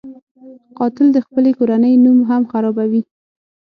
قاتل د خپلې کورنۍ نوم هم خرابوي